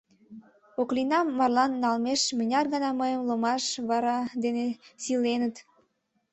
Оклинам марлан налмеш мыняр гана мыйым ломаш вара дене «сийленыт»!